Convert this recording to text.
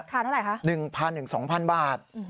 ขายเท่าไหร่ฮะ๑๐๐๐๒๐๐๐บาท